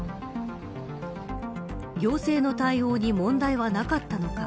行政の対応に問題はなかったのか。